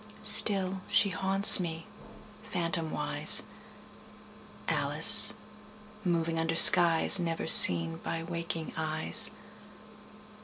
Still she haunts me, phantomwise, Alice moving under skies Never seen by waking eyes.